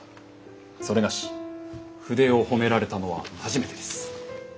それがし筆を褒められたのは初めてです。